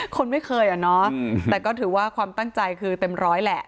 คนไม่เคยอ่ะเนาะแต่ก็ถือว่าความตั้งใจคือเต็มร้อยแหละ